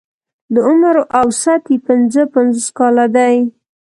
د عمر اوسط يې پنځه پنځوس کاله دی.